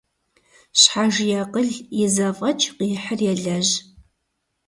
Щхьэж и акъыл, и зэфӀэкӀ къихьыр елэжь.